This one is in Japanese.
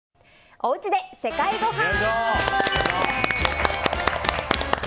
おうちで世界ごはん。